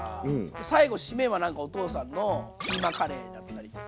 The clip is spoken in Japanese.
最後シメはなんかお父さんのキーマカレーだったりとか。